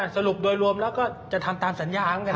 สรุปโดยรวมแล้วก็จะทำตามสัญญาเหมือนกัน